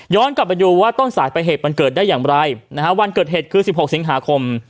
กลับไปดูว่าต้นสายไปเหตุมันเกิดได้อย่างไรนะฮะวันเกิดเหตุคือ๑๖สิงหาคม